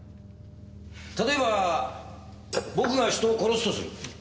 例えば僕が人を殺すとする。